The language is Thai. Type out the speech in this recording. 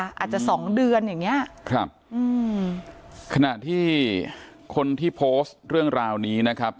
อาจจะสองเดือนอย่างเงี้ยครับอืมขณะที่คนที่โพสต์เรื่องราวนี้นะครับ